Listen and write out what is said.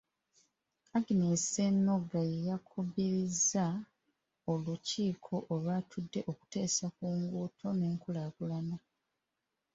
Agness Ssennoga y'eyakubirizza olukiiko olwatudde okuteesa ku nguudo n’enkulaakulana.